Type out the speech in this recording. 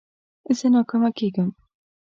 زه ناکامه کېږم.